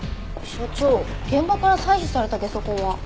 所長現場から採取されたゲソ痕は？